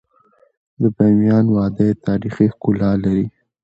د بامیان وادی تاریخي ښکلا لري.